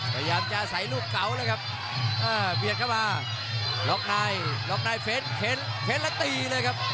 พยายามจะใส่ลูกเก่าเอ้อเบียดเข้ามาล็อคไนด์เฟสและตีเลยครับ